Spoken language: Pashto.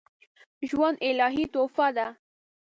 ژوند الهي تحفه ده